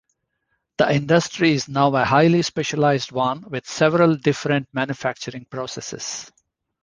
The industry is now a highly specialized one with several different manufacturing processes.